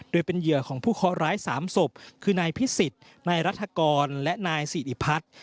โดยเป็นเหยื่อของผู้เคาะร้าย๓ศพคือนายพิสิทธิ์นายรัฐกรและนายสิริพัฒน์